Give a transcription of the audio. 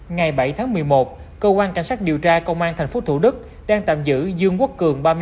ngày bảy tháng một mươi một cơ quan cảnh sát điều tra công an tp thủ đức đang tạm giữ dương quốc cường